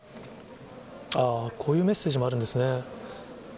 ああ、こういうメッセージもあるんですね。